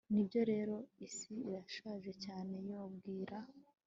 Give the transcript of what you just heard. Nibyo rero isi irashaje cyane Yoo bwira